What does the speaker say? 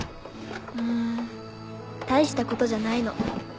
うん大したことじゃないの。